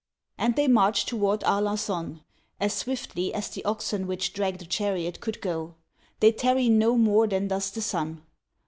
And they marched toward Arlan9on as swiftly as the oxen which drag the chariot could go ; they tarry no more than does the sun.